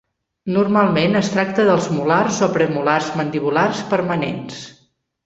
Normalment es tracta dels molars o premolars mandibulars permanents.